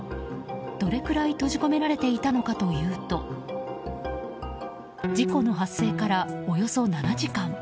どれくらい閉じ込められていたのかというと事故の発生から、およそ７時間。